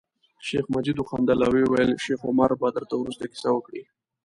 شیخ مجید وخندل او ویل یې شیخ عمر به درته وروسته کیسه وکړي.